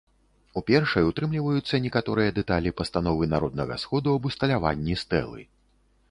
У першай утрымліваюцца некаторыя дэталі пастановы народнага сходу аб усталяванні стэлы.